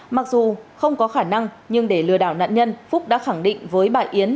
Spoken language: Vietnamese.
mặc dù không có khả năng nhưng để lừa đảo nạn nhân phúc đã khẳng định với bà yến